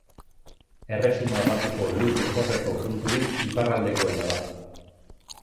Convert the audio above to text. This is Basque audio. Erresuma Batuko lur lehorreko punturik iparraldekoena da.